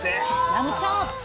ラムチョーップ！